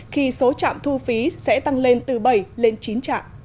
khi số trạm thu phí sẽ tăng lên từ bảy lên chín trạm